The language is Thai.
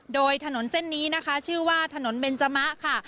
โดยถนนเส้นนี้นะคะชื่อว่าถนนเบนจมะค่ะ